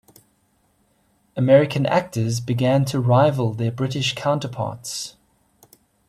American actors began to rival their British counterparts.